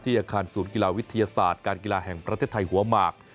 อาคารศูนย์กีฬาวิทยาศาสตร์การกีฬาแห่งประเทศไทยหัวหมาก